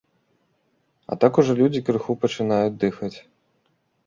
А так ужо людзі крыху пачынаюць дыхаць.